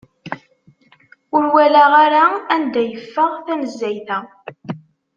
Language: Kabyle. Ur walaɣ ara anda yeffeɣ tanezzayt-a.